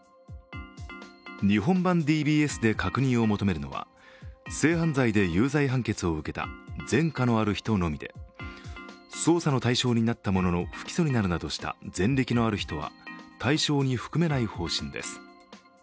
日本版ＤＢＳで確認を求めるのは性犯罪で有罪判決を受けた前科のある人のみで捜査の対象になったものの、不起訴になるなどした前歴のある人は対象に含めない方針です。